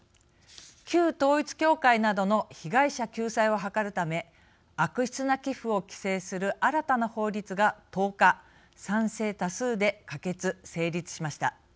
旧統一教会などの被害者救済を図るため悪質な寄付を規制する新たな法律が、１０日賛成多数で可決成立しました。